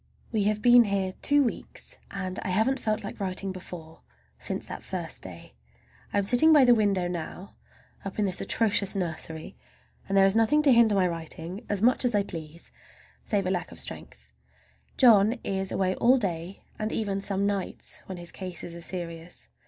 We have been here two weeks, and I haven't felt like writing before, since that first day. I am sitting by the window now, up in this atrocious nursery, and there is nothing to hinder my writing as much as I please, save lack of strength. John is away all day, and even some nights when his cases are serious.